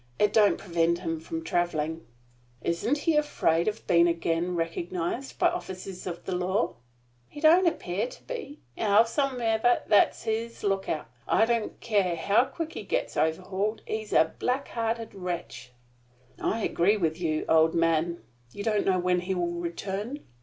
It don't prevent him from traveling." "Isn't he afraid of being again recognized by officers of the law?" "He don't appear to be. Howsumever, that's his lookout. I don't care how quick he gets overhauled. He's a black hearted wretch!" "I agree with you, old man. You don't know when he will return?"